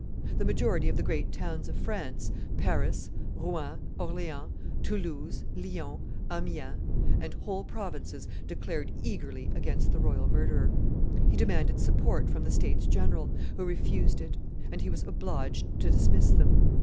The majority of the great towns of France Paris, Rouen, Orleans, Toulouse, Lyons, Amiens and whole provinces declared eagerly against the royal murderer. He demanded support from the states general, who refused it; and he was obliged to dismiss them.